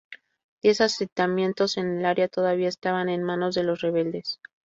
Diez asentamientos en el área todavía estaban en manos de los rebeldes.